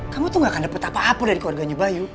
kamu tuh gak akan dapat apa apa dari keluarganya bayu